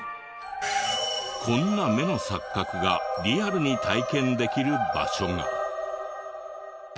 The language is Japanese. こんな目の錯覚がリアルに体験できる場所が。